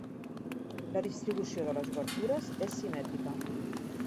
La distribució de les obertures és simètrica.